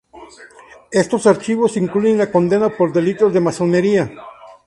Estos archivos incluyen las condenas por "delito de masonería".